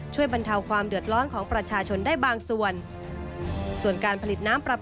บรรเทาความเดือดร้อนของประชาชนได้บางส่วน